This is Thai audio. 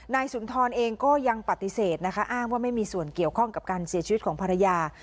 สุนทรเองก็ยังปฏิเสธนะคะอ้างว่าไม่มีส่วนเกี่ยวข้องกับการเสียชีวิตของภรรยา